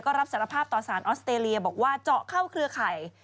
รับสารภาพต่อสารออสเตรเลียบอกว่าเจาะเข้าเครือข่าย